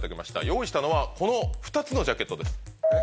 用意したのはこの２つのジャケットです。